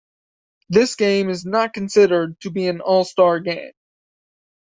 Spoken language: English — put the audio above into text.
This game is not considered to be an All-Star Game.